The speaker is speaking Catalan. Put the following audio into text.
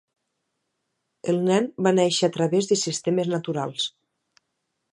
El nen va néixer a través de sistemes naturals.